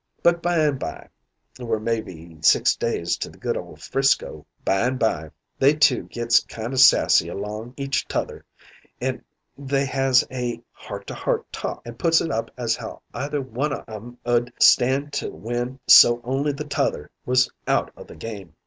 "But byne by we're mebbee six days to the good o' 'Frisco byne by they two gits kind o' sassy along o' each t'other, an' they has a heart to heart talk and puts it up as how either one o' 'em 'ud stand to win so only the t'other was out o' the game.